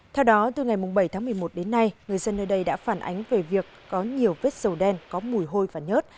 theo đó từ ngày bảy tháng một mươi một đến nay người dân nơi đây đã phản ánh về việc có nhiều vết dầu đen có mùi hôi và nhớt